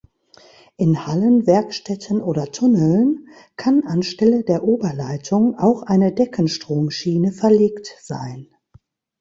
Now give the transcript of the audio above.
In Hallen, Werkstätten oder Tunneln kann anstelle der Oberleitung auch eine Deckenstromschiene verlegt sein.